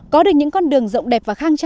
có được những con đường rộng đẹp và khang trang